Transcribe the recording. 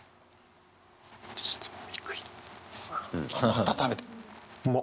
また食べてる！